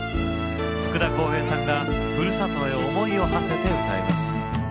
福田こうへいさんがふるさとへ思いをはせて歌います。